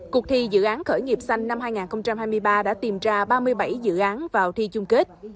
cuộc thi dự án khởi nghiệp xanh năm hai nghìn hai mươi ba đã tìm ra ba mươi bảy dự án vào thi chung kết